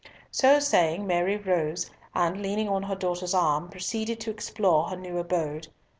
So saying Mary rose, and leaning on her daughter's arm, proceeded to explore her new abode.